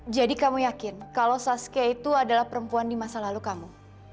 jadi kamu yakin kalau saskia itu adalah perempuan di masa lalu kamu